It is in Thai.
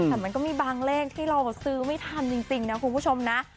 แต่มันก็มีบางเลขที่เราซื้อไม่ทันจริงนะคุณผู้ชมนะ